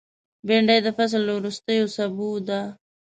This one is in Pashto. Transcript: بېنډۍ د فصل له وروستیو سابو ده